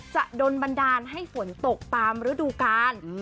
จะโดนบันดาลให้ฝนตกตามฤดูกาล